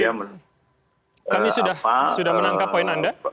kami sudah menangkap poin anda